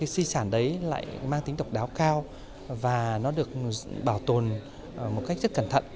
di sản đấy lại mang tính độc đáo cao và nó được bảo tồn một cách rất cẩn thận